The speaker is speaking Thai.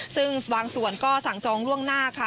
ซึ่งบางส่วนก็สั่งจองล่วงหน้าค่ะ